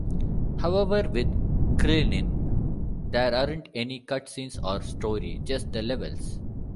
However, with Krillin, there aren't any cutscenes or story; just the levels.